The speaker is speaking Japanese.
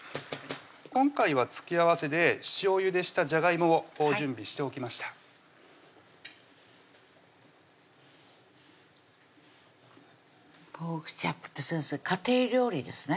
今回は付け合わせで塩ゆでしたじゃがいもを準備しておきました「ポークチャップ」って先生家庭料理ですね